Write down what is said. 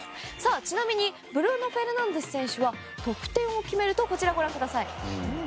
ちなみにブルーノ・フェルナンデス選手は得点を決めるとこちらご覧ください。